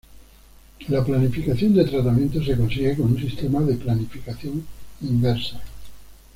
La planificación de tratamiento se consigue con un sistema de planificación inversa.